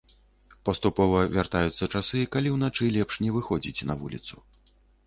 Паступова вяртаюцца часы, калі ўначы лепш не выходзіць на вуліцу.